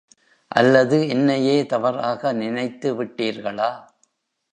அல்லது என்னையே தவறாக நினைத்து விட்டீர்களா?